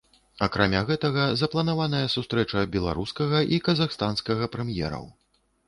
Акрамя гэтага, запланаваная сустрэча беларускага і казахстанскага прэм'ераў.